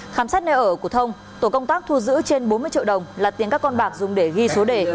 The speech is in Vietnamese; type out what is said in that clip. khám xét nơi ở của thông tổ công tác thu giữ trên bốn mươi triệu đồng là tiền các con bạc dùng để ghi số đề